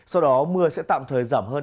sau đó mưa sẽ tạm thời giảm hơn